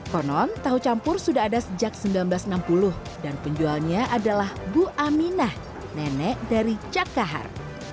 konon tahu campur sudah ada sejak seribu sembilan ratus enam puluh dan penjualnya adalah bu aminah nenek dari cakahar